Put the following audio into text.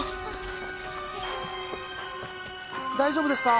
大丈夫ですか？